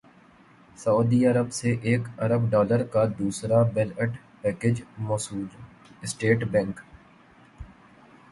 سعودی عرب سے ایک ارب ڈالر کا دوسرا بیل اٹ پیکج موصول اسٹیٹ بینک